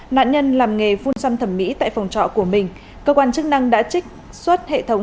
nạn nhân làm nghề phun xăm thẩm mỹ tại phòng trọ của mình cơ quan chức năng đã trích xuất hệ thống